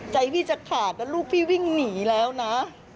ใจพี่จะขาดนะลูกพี่วิ่งหนีแล้วนะ